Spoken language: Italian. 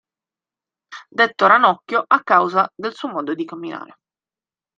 Detto Ranocchio a causa del suo modo di camminare.